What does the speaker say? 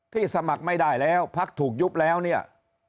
สมัครไม่ได้แล้วพักถูกยุบแล้วเนี่ย